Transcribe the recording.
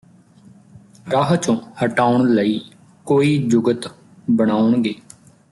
ਰਾਹ ਚੋਂ ਹਟਾਉਣ ਲਈ ਕੋਈ ਜੁਗਤ ਬਣਾਉਣਗੇ